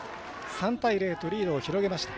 ３対０とリードを広げました。